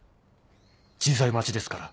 小さい街ですから。